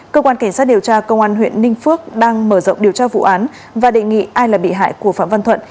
cơ quan cảnh sát điều tra công an huyện ninh phước đang mở rộng điều tra vụ án và đề nghị ai là bị hại của phạm văn thuận